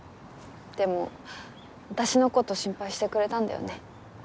でも私の事心配してくれたんだよね。